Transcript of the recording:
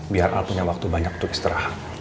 biar al punya waktu banyak untuk istirahat